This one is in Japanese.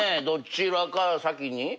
どちらか先に。